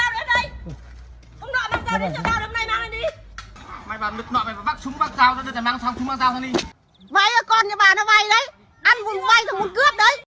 giáo viên người ta không mang dao đến nhà máy